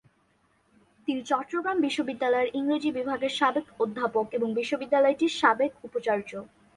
তিনি চট্টগ্রাম বিশ্ববিদ্যালয়ের ইংরেজি বিভাগের সাবেক অধ্যাপক এবং বিশ্ববিদ্যালয়টির সাবেক উপাচার্য।